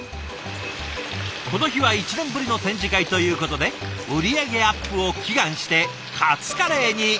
この日は１年ぶりの展示会ということで売り上げアップを祈願してカツカレーに！